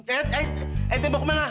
eh eh eh tembok mana